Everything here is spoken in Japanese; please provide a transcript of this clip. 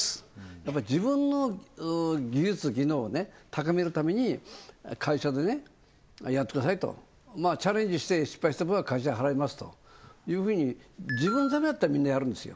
やっぱり自分の技術技能を高めるために会社でねやってくださいとチャレンジして失敗した分は会社が払いますというふうに自分のためだったらみんなやるんですよ